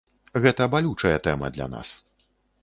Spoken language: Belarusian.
Гэта балючая тэма для нас.